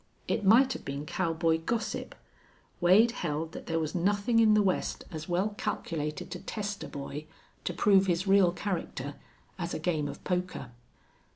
It might have been cowboy gossip. Wade held that there was nothing in the West as well calculated to test a boy, to prove his real character, as a game of poker.